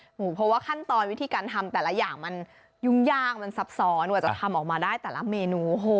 เพราะว่าขั้นตอนวิธีการทำแต่ละอย่างมันยุ่งยากมันซับซ้อนกว่าจะทำออกมาได้แต่ละเมนู